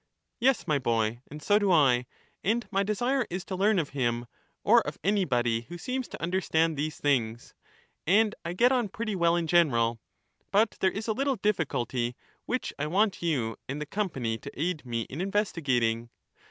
Yes, my boy, and so do I ; and my desire is to learn Socrates' of him, or of anybody who seems to understand these things. ^^aUsT And I get on pretty well in general ; but there is a little knowledge? difficulty which I want you and the company to aid me in investigating.